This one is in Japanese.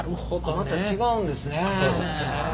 また違うんですね。